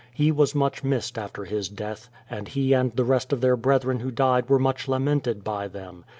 He was much missed after his death, and he and the rest of their brethren who died were much lamented by them.